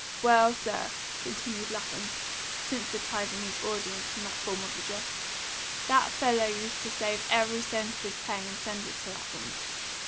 Well, sir," continued Lapham, synthetising his auditors in that form of address, "that fellow used to save every cent of his pay and send it to that woman.